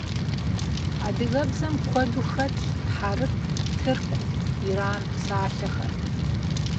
Адыгэбзэм куэду хэтщ хьэрып, тырку, иран псалъэхэр.